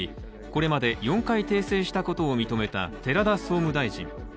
これまで４回訂正したことを認めた寺田総務大臣。